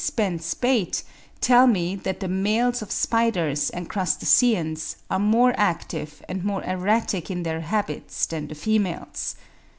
Spence Bate, tell me that the males of spiders and crustaceans are more active and more erratic in their habits than the females.